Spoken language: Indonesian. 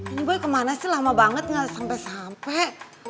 ini boleh kemana sih lama banget gak sampe sampe